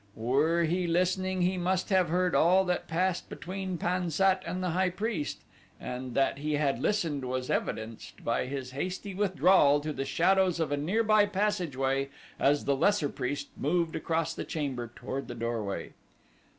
Were he listening he must have heard all that passed between Pan sat and the high priest, and that he had listened was evidenced by his hasty withdrawal to the shadows of a nearby passage as the lesser priest moved across the chamber toward the doorway.